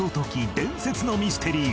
伝説のミステリー』